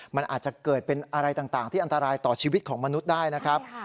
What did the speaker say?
มันอาจจะเกิดเป็นอะไรต่างที่อันตรายต่อชีวิตของมนุษย์ได้นะครับ